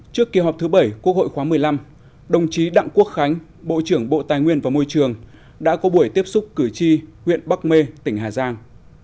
trước kỳ họp thứ bảy quốc hội khóa một mươi năm đồng chí đặng quốc khánh bộ trưởng bộ tài nguyên và môi trường đã có buổi tiếp xúc cử tri huyện bắc mê tỉnh hà giang